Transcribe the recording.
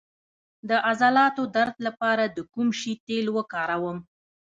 د عضلاتو درد لپاره د کوم شي تېل وکاروم؟